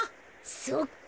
そっか。